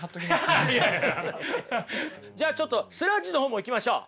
じゃあちょっとスラッジの方もいきましょう。